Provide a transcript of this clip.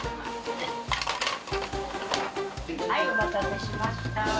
はいお待たせしました。